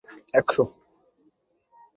নাহলে দুনিয়া ধ্বংস হওয়া অবধি অপেক্ষা করতে পারো।